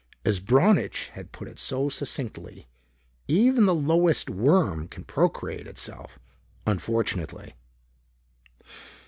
As Braunitsch had put it so succinctly, "Even the lowest worm can procreate itself unfortunately."